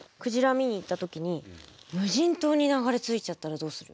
見に行った時に無人島に流れ着いちゃったらどうする？